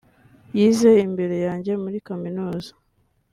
yize imbere yanjye muri kaminuza